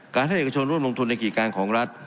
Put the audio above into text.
ให้เอกชนร่วมลงทุนในกิจการของรัฐ